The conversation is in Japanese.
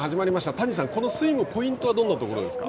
谷さん、このスイム、ポイントはどんなところですか。